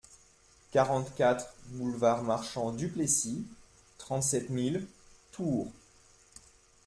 quarante-quatre boulevard Marchant Duplessis, trente-sept mille Tours